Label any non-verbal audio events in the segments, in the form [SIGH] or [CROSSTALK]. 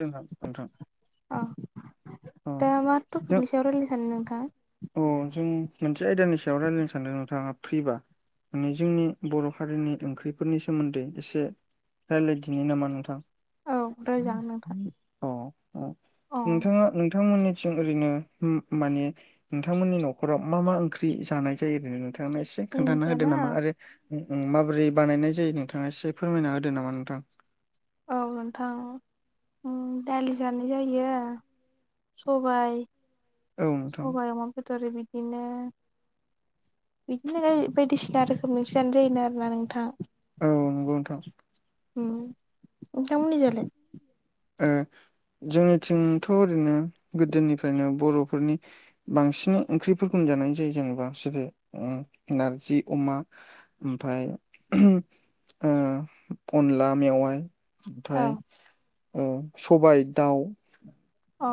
जोंहा नोंथां औ औ दा मा टपिकनि सायाव रायलायनो सानो नोंथाङा। अ जों मोनसे आयदानि सायाव रायजलायनो सानदों नोंथाङा फ्रिबा। माने जोंनि बर' हारिनि ओंख्रिफोरनि सोमोन्दै एसे। रालायदिनि नामा नोंथां। औ रायलायजागोन। अ औ नोंथाङा नोंथांमोननिथिं ओरैनो माने। नोंथांमोननि न'खराव मा मा ओंख्रि जानाय जायो आरैनो नोंथाङानो एसे। एसे खोन्थाना होदो जोंनिजाना नामा आरो माबोरै बानायनाय जायो नोंथाङा एसे फोरमायना होदो नामा नोंथां। औ नोंथां दालि जानाय जायो सबाय। औ नोंथां सबाइ अमा बेदर बिदिनो। बिदिनो बायदिसिना रोखोमनि जानो जायो आरोना नोंथां। औ नंगौ नोंथां। नोंथां मोननि जालाय। जोंनिथिंथ' ओरैनो गोदोनिफ्रायनो बर'फोरनि। बांसिनै ओंख्रिफोरखौजानाय जायो जेनबा बिसोरो नारजि अमा। ओमफाय अनला मेवाइ औ ओमफाय। सबाय दाउ। अ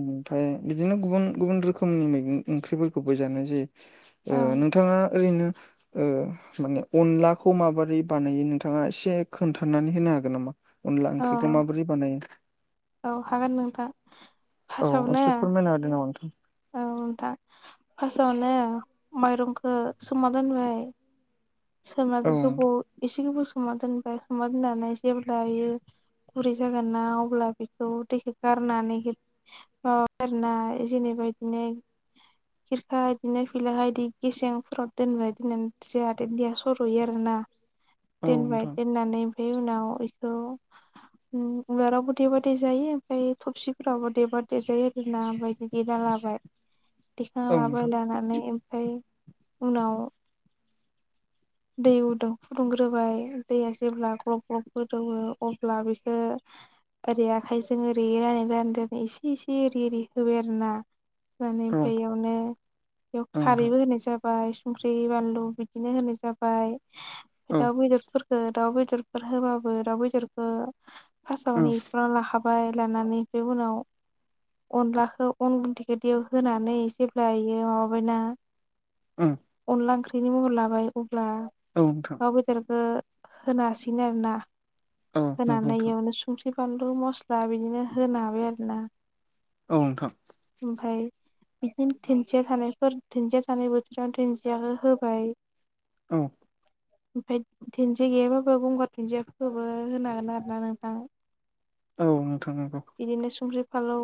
ओमफ्राय बिदिनो गुबुन गुबुन रोखोमनि मैगं ओंख्रिफोरखौबो जानाय जायो। औ नोंथाङा ओरैनो। माने अनलाखौ माबोरै बानायो नोंथाङा एसे खोन्थानानै होनो हागोन नामा। अनला अ ओंख्रिखौ माबोरै बानायो। औ हागोन नोंथाङा औ फास्टआवनो। [UNINTELLIGIBLE] नोंथां। औ दा फास्टआवनो माइरंखौ सोमा दोनबाय। सोमना औ गोबाव एसे गोबाव सा दोनबाय सा दोननानै जेबब्लायो‌। गुरै जागोन ना अब्ला बेखौ दैखौ गारनानै। मा बायो जेनेबा बेदिनो। खिरखा बिदिनो फैला इदि गेसेंफोराव दोनबाय दोननानै जा। दैया सर'यो आरो ना औ दोनबाय नोंथां। दोननानै ओमफफ्राय उनाव बेखौ। उवालावबो देबा देेजायो ओमफ्राय थबसिफोरावबो देबा देरेजायो आरोना बायदि देना लाबाय औ देखांना नोंथां लाबाय लानानै ओमफफ्राय उनाव दै उदुं फुदुंग्रोबाय दैया जेब्ला ग्रब ग्रब गोदौवो अब्ला बेखौ। ओरै आखाइजों ओरै रानै रानै रानै एसे एसे ओरै ओरि होबाय आरो ना। होनानै औ ओमफाय इयावनो बेयाव औ नोंथां खारैबो होनाय जाबाय संख्रि बानलु बिदिनो होनाय जाबाय औ मफ्राय दाउ बेदर फोरख' दाउ बेदरफोर होबाबो दाउ बेदरखौ फास्टावनो एखनानै लाखा फाय लानानै बे उनाव अनलाखौ अन गुन्न्दैखौ दैयाव होनानै जेब्लायो माबाबायना ओ अनला ओंख्रिनि महर लाबाय अब्ला औ नोंथां दाउ बेदरखौ होनो हासिगोन आरोना औ नोंथां औ नंगौ होनानै नोंथां इयावनो संख्रि बानलु मस्ला बिदिनो होनो हाबाय आरोना। औव नोंथां। ओमफ्राय बिदिनो दुन्दिया थानायफोर दुन्दिया थानायानाय बोथोराव दुुनन्दियाखौ होबाय औ ओमफफ्राय दुन्दिया गैयाबाबो गंगार दुुनदियाफोरखौबो होनागोन आरोना नोंथां। औ नोंथां नंगौ। बिदिनो संख्रि फालौ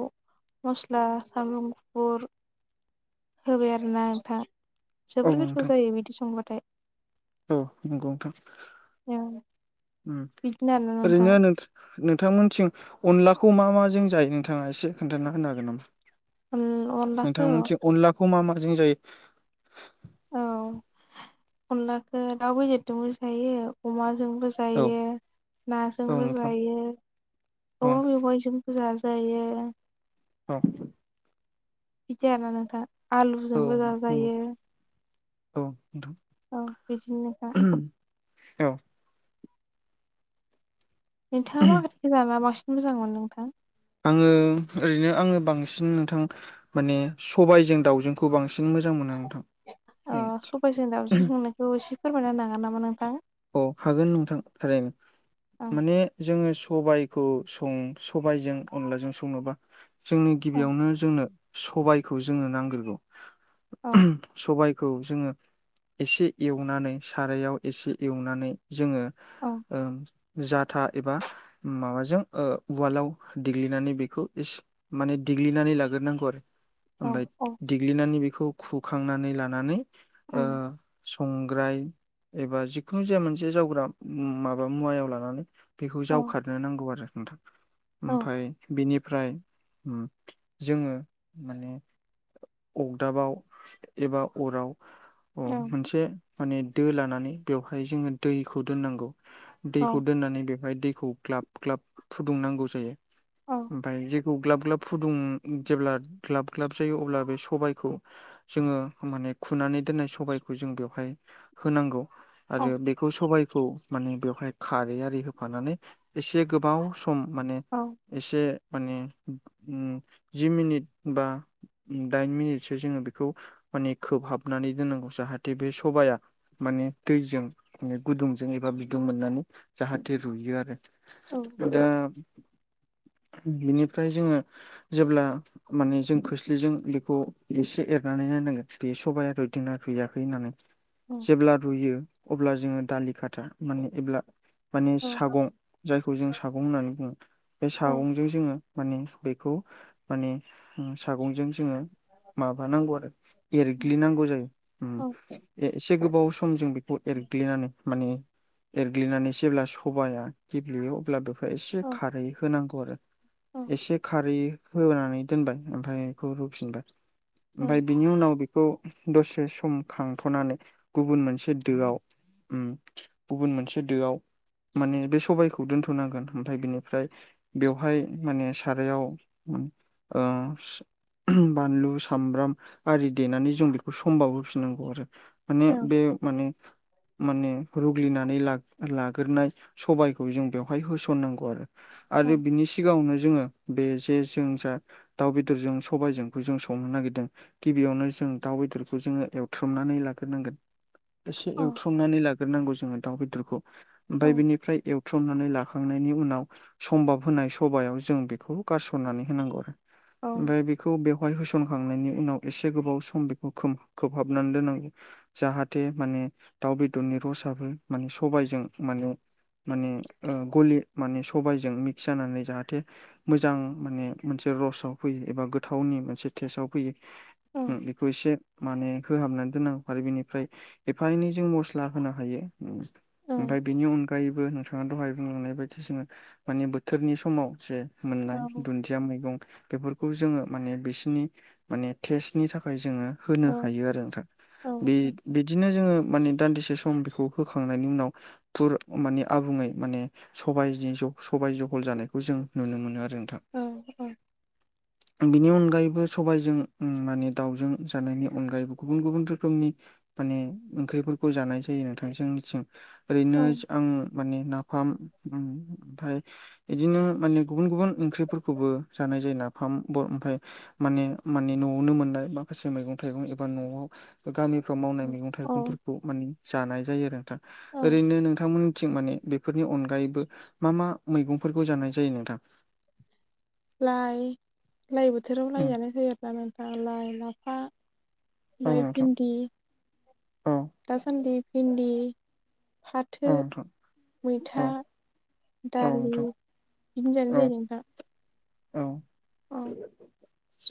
मस्ला सामब्राम गुफु होबाय आरोना नोंथां औ जोबोर गोथाव नोंथां जायो बिदि संबाथाय। औ नंगौ नोंथां औ बिदिनो आरोना नोंथां ओरैनो होनों नोंथांमोनथिं अनलाखौ मा माजों जायो नोंथांङा एसे खोन्थाना होनो हागोन नामा? अनलाखौ नोंथांमोनथि अनलाखौ मा माजों जायो? औ अनलाखौ दाउ बेदरजोंबो जायो अमाजोंबो। औ जायो औ नाजोंबो नोंथां जायो औ अबेबा बबेबा जों फुजा जायो औ बिदिय ना नोंथांङा। औव नंगोव औ बिदिनोखा औ नोंथाङा माख्रखौ जाना बांसिन मोजां मोनो नोंथां? आंङो ओरैनो आंङो बांसिन नोंथां माने सबायाइजों दाउजोंखौ बांसिन बि मोजां मोनो नोंथां अ सबायाइजों दउजों संनायखौ एसे फोरमायना होनो हागोन नामा नोंथां। औ हागोन नोंथां थारैनो औ माने जोंङो सबाय सं सबायजों अनलाजों संङनोबा जोंनि औ गिबियावनो जोंनो सबायखौ जोंनो नांगोरगौव। औ सबायखौ जोंङो एसे एवनानै सारायाव एसे एवनानै जोंङो औ जाथा एबा माबाजों उवालाव देग्लिनानै बेखौ एसे माने देग्लिनानै लाग्रोनांगौ आरो औ ओमाय औ देग्लिनानै बेखौ खुखांनानै लानानै उम संग्राय एबा जिखुनु जाया मोनसे जावग्रा माबा मुवायाव लानानै बेखौ औ जावखारनो नांगौ आरो नोंथां औ ओमफफ्राय बेनिफ्राय जोंङो माने अगदाबाव एबा अराव अ औ मोनसे माने दो लानानै बेवहाय जोंङो दैखौ दोननांगौ। औ दैखौ दोननानै बेवहाय दैखौ ग्लाब ग्लाब फुदुंनांगौ जायो औ ओमफ्राय ग्लाब ग्लाब फुदुं जेब्ला ग्लाब ग्लाब जायो अब्ला बे सबायखौ जोंङो माने खुनानै दोननाय सबायखौ जों बेवहाय होनांगौ। आरो बेखौ सबायखौव माने बेवहाय खारै आरि होफानानै एसे गोबाव सम माने औ एसे माने जि मिनिट बा दाइन मिनिटसो जोङो बेखौ माने खोबहाबनानै दोननांगौ जाहाथे बे सबाया माने दैजों म गुदुंजों एबा बिदुं मोननानै जाहाथे रुयो आरो। औ दा बिनिफ्राय जोङो जेब्ला माने जों खोस्लिजों बेखौ एसे एरनानै नाय नांगो नुयो सबाया रुइदिना रुइयाखै होननानै औ जेब्ला रुयो अब्ला जोङो दालि खाथा माने जब्ला माने औ सागं जायखौ जों सागं होननानै बुङो बे औ सागं ज जोङो मान बेखौ माने सागंजों जोङो माबानांगौ आरो एरेग्लिनांगौ जायो। ए एसे गोबाव सम सम जों बेखौ एरग्लिनानै माने एरग्लिनानै जेब्ला सबाया गेब्लेयो अब्ला बे एसे खारै होनांगौ आरो एसे ख खारै होनानै दोनबाय ओमफ्राय बेखौ होफिनबाय ओमफ्राय बिनि उनाव खौ दसे सम खांथ'नानै गुबुन मोनसे मोनसे दोआव गुबुन मोनसे दोआव माने बे सबायखौ दोन्थ'नांगोन ओमफ्राय बिनिफ्राय बेवहाय माने सारायाव बानलु सामब्राम आरि देनानै जों बेखौ समबाव होफिननांगौ आरो माने बे माने माने रुग्लिनानै ला लाग्रोनाय सबायाइखौ जों बेवहाय होसननांगौ आरो आरो औ बिनि सिगाङावनो जोङो बे जे जों जा दाउ बेदरजों सबायजोंखौ जों संनो नागिरदों गिबियावनो जों दाउ बेदरखौ जोङो एवथ्रुमनानै लाग्रोनांगोन एसे एवथ्रमनानै लाग्रोनांगौ जोङो दाउ बेदरखौ ओमफ्राय बेनिफ्राय बुथ्रुमनानै लाखांनायनि उनाव सम्भाब होनाय सभायाव जों बेखौ गारसननानै होनांगौ आरो। ओमफ्राय बि बेखौ बेवहाय होसनखांनायनि उनाव एसे गोबाव सम बेखौ खोबहाबनानै दोननांगौ। जाहाथे माने दाउ बेदरनि रसाबो माने सबायजों माने माने गलि माने सबायजों मिक्स जानानै जाहाथे मोजां माने मोनसे रसाव फैयो एबा गोथावनि मोनसे टेस्टाव फैयो बेखौ एसे माने होहाबनानै दोननांगौ आरो बेनिफ्राय एफा एनै जों मस्ला होनो हायो ओमफ्राय बेनि उन मायबो नोंथाङा दहाय बुंलांनाय बायदिसिना माने बोथोरनि समाव जे मोननाय दुदिया खुदिया मैगं बेफोरखौ जोङो माने बिसोरनि माने टेस्टनि थाखाय जोङो होनो हायो आरो नोंथा औ बे बिदिनो जोङो माने दान्दिसे सम बेखौ होखांनायनि उनाव फुर माने आबुङै माने सबाय सबाय जहल जानायखौ जों नुनो मोनो आरो नोंथां। औ औ बिनि अनगायैबो सबायाइजों माने दाउजों जानायनि अनगायैबो गुबुन गुबुन रोखोमनि माने ओंख्रिफोरखौ जानाय जायो नोंथांजोंनिथिं औ ओरैनो आं माने नाफाम ओमफफ्राय बिदिनो माने गुबुन गुबुन ओंख्रिफोरखौबो जानाय जायो नाफाम ओमफ्राय माने माने न'आवनो मोननाय माखासे मैगं थाइगं एबा न'आव गामि फोराव मावनाय मैगं औ थाइगंफोरखौ माने जानाय जायो आरो नोंथां औ ओरैनो नोंथांमोननिथिं माने बे फोरनि अनगायैबो मा मा मैगंफोरखौ जानाय जायो नोंथां। लाइ लाइ बोथोराव उम लाइआनो होआब्लानो नोंथां लाइ लाफा। औ ओमफाय नोंथां भिन्दि औ दासान्दि भिन्दि। फाथो औ नोंथां। औ मैथा। औ दालि नोंथां बिदिनो जानाय औ जायो नोंथां। औ ओ औ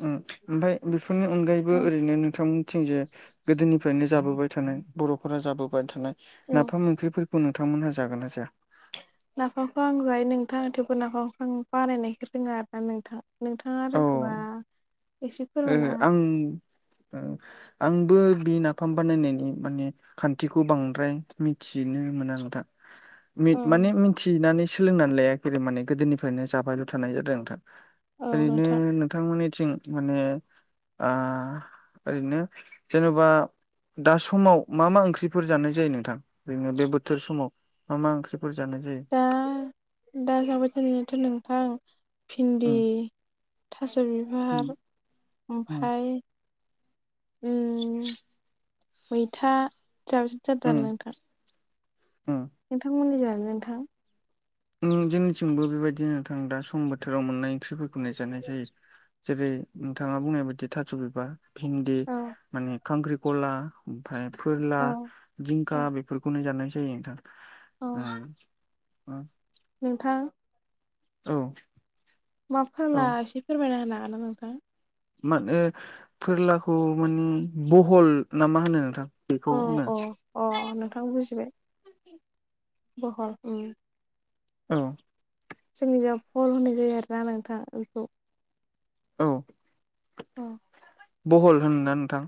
ओमफाय बेफोरनि अनगायैबो औ ओरैनो नोंथांमोननिथिंजे गोदोनिफ्रायनो ज जाबोबाय थानाय बर'फोरा जाबोबाय थानाय नाफाम ओंख्रिफोरखौ नोंथांमोनहा जागोना जाया। नाफामखौ आं जायो नोंथां थेवबो नाफामखौ आं बानायनायखो रोङा आरो ना नोंथां। नोंथाङा औ रोंगोबा एसे फोरमायना ओम ओ आंबो बि नाफाम बानायनायनि माने खान्थिखौ बांद्राय मिथिनो मोना नोंथां। औ मिथ माने मिथिनानै सोलोंनानै लाया खै माने गोदोनिफ्रायनो जाबायल' थानाय जादों नोंथां। औ ओरैनो नोंथां नोंथांमोननिथिं माने आह ओरैनो जेन'बा दा समाव मा मा ओंख्रिफोर जानाय जायो नोंथां ओरैनो बे बोथोर समाव। मा मा ओंख्रिफोर जानाय जायो। दा दा जाबाय थानायाथ' नोंथां भिन्दि उम थास' उम बिबार ओमफाय उम मैथा जानाय जादो आरो उम नोंथां। उम नोंथांमोननिजालाय नोंथां। उम जोंनिथिंबो बेबायदिनो नोंथां दा सम बोथोराव मोननाय ओंख्रिफोरखौनो जानाय जायो। जेरै नोंथाङा बुंनाय बायदि थास' बिबार भिन्दि औ माने खांख्रिखला। ओमफाय फोरला औ जिंखा बेफोरखौनो जानाय जायो नोंथां। औ ओ अ नोंथां। औ। मा औ फोरला एसे फोरमायना होनो हागोन ना नोंथां। मा ओ फोरलाखौ माने बहल ना मा होनो नोंथां। बेखौ होनो। अह नोंथां बुजिबाय बहल उम। औ। जोंनियाव भल होनाय जायो आरो ना नोंथां बेखौ। औ। अह बहल होनो ना नोंथां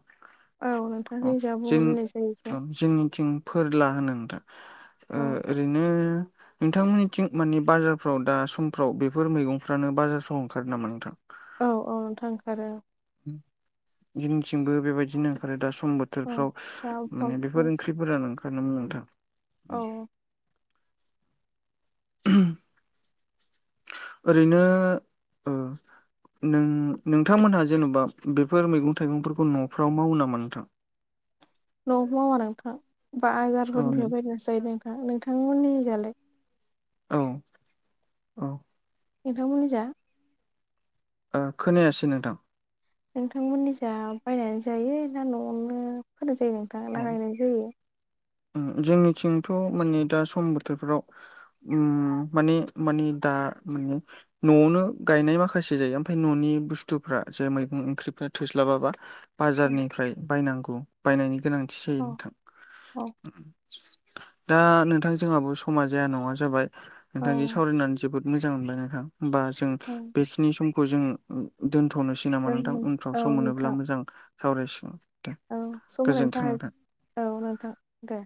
औ नोंथां अ जोंनि जा बहल जों होननाय जायो बेखौ अ जोंनिथिं फोरला होनो नोंथां। ओ औ। ओरैनो नोंथांमोननिथिं माने बाजारफ्राव दा समफ्राव बेफोर मैगंफ्रानो बाजारफ्राव ओंखारो नामा नोंथां। औ औ नोंथां ओंखारो। जोंनिथिंबो बेबायदिनो ओंखारो दा सम औ बोथोरफ्राव दा फल माने बेफोर ओंख्रि फोरानो ओंखारनोमोन नोंथां। औ ओरैनो ओ नों नोंथांमोनहा जेन'बा बेफोर मैगं थाइगंफोरखौ न'फ्राव मावो नामा नोंथां। न'आव मावा नोंथां औ बाजारफोरनिफ्राय बायनासो जायो नोंथां नोंथांमोननिजोलाय औ औ नोंथांमोननि जा ओ खोनायासै नोंथां नोंथांमोननि जा बायनानै जायो ना न'आवनो फोनाय जायो नोंथां ना गायनाय जायो ओम जोंनिथिंथ' माने दा सम बोथोरफ्राव उम माने मानि दा मानि न'आवनो गायनाय माखासे जायो ओमफ्राय न'नि बुस्थुफ्रा जे मैगं ओंख्रिफ्रा थोस्लाबाबा औ बाजारनिफ्राय बायनांगौ बायनायनि गोनांथि जायो औ नोंथां औ दा नोंथां जोंहाबो समा जाया नङा जाबाय नोंथांनि सावरायनानै जोबोद मोजां मोनबाय नोंथां होमबा जों उम बेखिनि समखौ जों दोनथ'नोसै नामा नोंथां उनफ्राव दोनथ'नोसै औ सम नोंथां मोनोब्ला मोजां सावरायसिगोन औ सम होनायनि गोजोन्थों थाखाङ नोंथां औ नोंथां दे